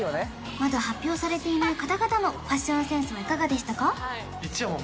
まだ発表されていない方々のファッションセンスはいかがでしたか？